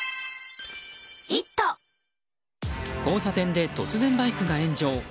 交差点で突然バイクが炎上。